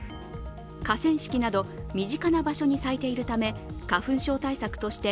河川敷など、身近な場所に咲いているため、花粉症対策として